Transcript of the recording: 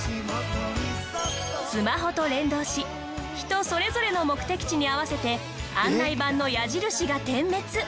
スマホと連動し人それぞれの目的地に合わせて案内板の矢印が点滅。